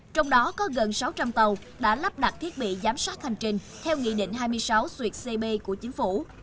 trong đó có gần sáu trăm linh tàu đã lắp đặt thiết bị giám sát hành trình theo nghị định hai mươi sáu xuyệt cb của chính phủ